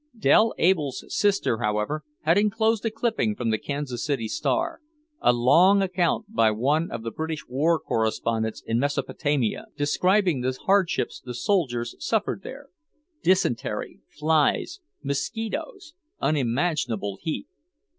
Dell Able's sister, however, had enclosed a clipping from the Kansas City Star; a long account by one of the British war correspondents in Mesopotamia, describing the hardships the soldiers suffered there; dysentery, flies, mosquitoes, unimaginable heat.